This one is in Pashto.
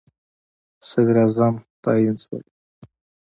صدراعظم تعیین شول.